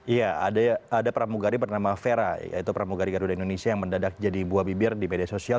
iya ada pramugari bernama vera yaitu pramugari garuda indonesia yang mendadak jadi buah bibir di media sosial